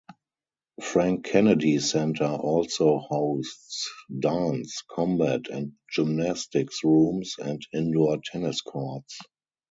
Frank Kennedy Centre also hosts dance, combat and gymnastics rooms, and indoor tennis courts.